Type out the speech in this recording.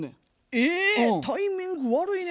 えっタイミング悪いね。